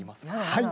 はい。